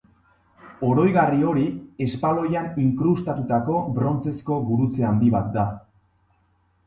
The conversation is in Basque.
Oroigarri hori espaloian inkrustatutako brontzezko gurutze handi bat da.